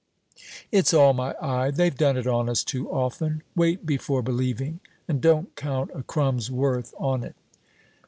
"It's all my eye they've done it on us too often. Wait before believing and don't count a crumb's worth on it."